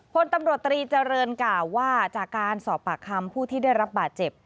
พลตำรวจตรีเจริญกล่าวว่าจากการสอบปากคำผู้ที่ได้รับบาดเจ็บ